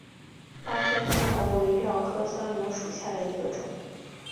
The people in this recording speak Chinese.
巴天酸模为蓼科酸模属下的一个种。